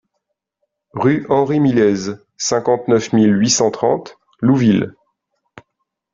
Rue Henri Millez, cinquante-neuf mille huit cent trente Louvil